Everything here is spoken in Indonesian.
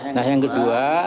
nah yang kedua